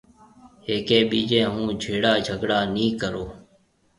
هيَڪيَ ٻِيجي هون جھيَََڙا جھگھڙا نِي ڪرو۔